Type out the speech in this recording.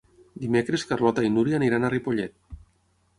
Dimecres na Carlota i na Núria aniran a Ripollet.